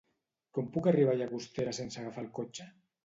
Com puc arribar a Llagostera sense agafar el cotxe?